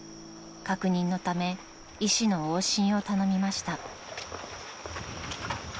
［確認のため医師の往診を頼みました］